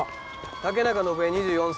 竹中伸枝２４歳。